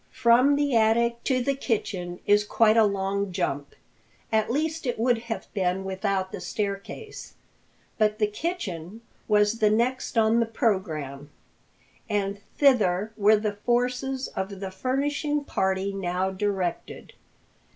From the attic to the kitchen is quite a long jump, at least it would have been without the staircase. But the kitchen was the next on the program, and thither were the forces of the furnishing party now directed.